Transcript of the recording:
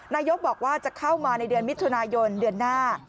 นายกบอกว่าจะเข้ามาในเดือนมิถุนายนเดือนหน้า